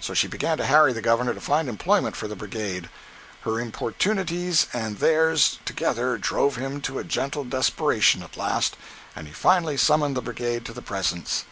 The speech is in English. So she began to harry the Governor to find employment for the "Brigade." Her importunities and theirs together drove him to a gentle desperation at last, and he finally summoned the Brigade to the presence.